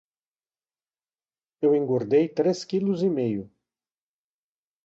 Eu engordei três quilos e meio.